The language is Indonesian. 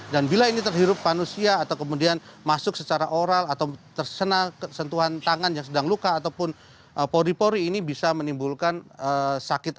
dan bila ini terhirup manusia atau kemudian masuk secara oral atau tersena sentuhan tangan yang sedang luka ataupun pori pori ini bisa menimbulkan sakit